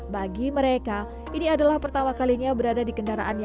bagi mereka ini adalah pertama kalinya mereka berdua berdua berdua berdua berdua berdua